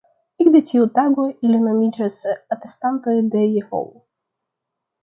Ekde tiu tago, ili nomiĝas "Atestantoj de Jehovo".